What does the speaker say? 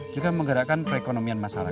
juga menggerakkan perekonomian masyarakat